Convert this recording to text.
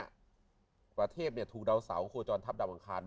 วันนี้ประเทศถูกเดาเสาโคลจรทัพเดาอังคาร